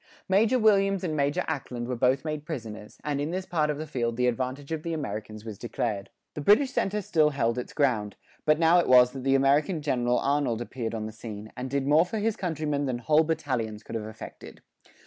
Major Williams and Major Ackland were both made prisoners, and in this part of the field the advantage of the Americans was decided. The British centre still held its ground; but now it was that the American general Arnold appeared upon the scene, and did more for his countrymen than whole battalions could have effected.